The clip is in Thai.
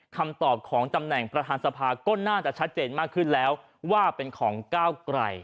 คำตอบของตำแหน่งประธานสภาก็น่าจะชัดเจนมากขึ้นแล้วว่าเป็นของก้าวไกล